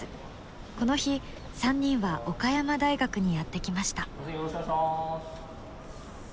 この日３人は岡山大学にやって来ました。